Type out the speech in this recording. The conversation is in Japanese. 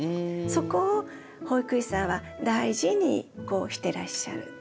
そこを保育士さんは大事にしてらっしゃる。